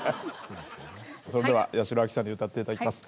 それでは八代亜紀さんに歌って頂きます。